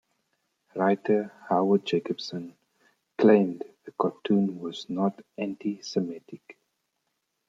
Writer Howard Jacobson claimed the cartoon was not antisemitic.